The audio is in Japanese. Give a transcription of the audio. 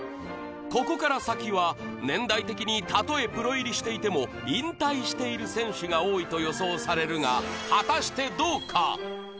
ここから先は年代的にたとえプロ入りしていても引退している選手が多いと予想されるが果たしてどうか？